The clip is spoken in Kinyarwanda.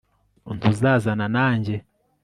ntuzazana nanjye?